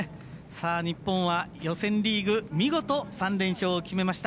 日本は予選リーグ見事３連勝を決めました。